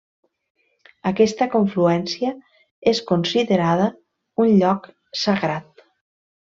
Aquesta confluència és considerada un lloc sagrat.